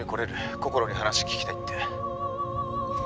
こころに話聞きたいって」